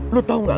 lu tau gak